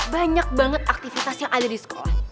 banyak banget aktivitas yang ada di sekolah